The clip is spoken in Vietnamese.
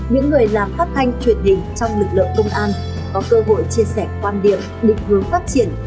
những người làm phát thanh truyền hình trong lực lượng công an có cơ hội chia sẻ quan điểm định hướng phát triển